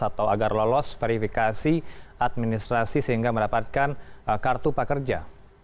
atau agar lolos verifikasi administrasi sehingga mendapatkan kartu prakerja